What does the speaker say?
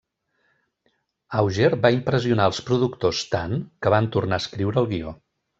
Auger va impressionar els productors tant que van tornar a escriure el guió.